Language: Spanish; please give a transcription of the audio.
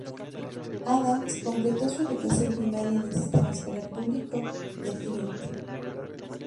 Adams completó su educación primaria en el sistema escolar público de Flint.